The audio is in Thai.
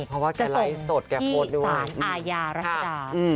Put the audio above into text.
เพราะว่าแกไล่สดแกโพดด้วยว่ะค่ะจะตรงที่สารอาญารัฐธรรม